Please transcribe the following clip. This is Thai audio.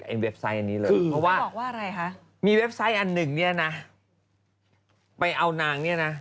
เว็บไซต์อันนี้เลยเพราะว่าอะไรคะมีเว็บไซต์อันหนึ่งเนี่ยนะไปเอานางเนี่ยนะ